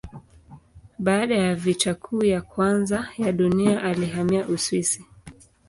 Baada ya Vita Kuu ya Kwanza ya Dunia alihamia Uswisi.